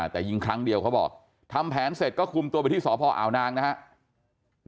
แต่ยิงครั้งเดียวเขาบอกทำแผนเสร็จก็คุมตัวไปที่สพอาวนางนะครับ